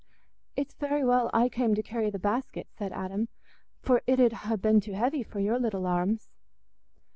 "It's very well I came to carry the basket," said Adam "for it 'ud ha' been too heavy for your little arms."